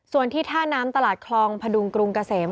ส่วนที่ท่าน้ำตลาดคลองพดุงกรุงเกษม